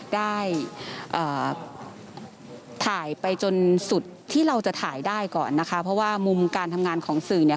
ได้ถ่ายไปจนสุดที่เราจะถ่ายได้ก่อนนะคะเพราะว่ามุมการทำงานของสื่อเนี่ย